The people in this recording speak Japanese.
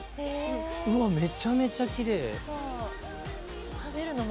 めちゃめちゃきれい！